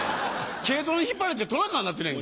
軽トラに引っ張られてトラ川になってるやんけ。